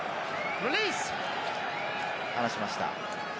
離しました。